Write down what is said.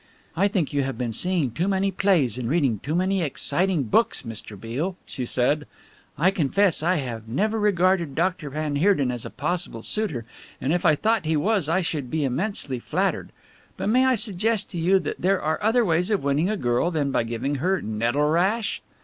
"I think you have been seeing too many plays and reading too many exciting books, Mr. Beale," she said, "I confess I have never regarded Doctor van Heerden as a possible suitor, and if I thought he was I should be immensely flattered. But may I suggest to you that there are other ways of winning a girl than by giving her nettle rash!"